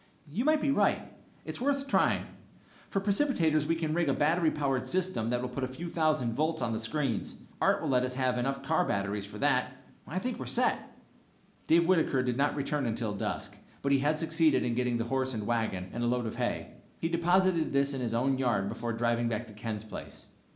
"You might be right! It's worth trying. For precipitators we can rig a battery powered system that will put a few thousand volts on the screens. Art will let us have enough car batteries for that. I think we're set!" Dave Whitaker did not return until dusk, but he had succeeded in getting the horse and wagon, and a load of hay. He deposited this in his own yard before driving back to Ken's place.